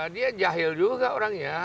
dia jahil juga orangnya